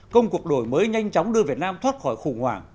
công cuộc đổi mới nhanh chóng đưa việt nam thoát khỏi khủng hoảng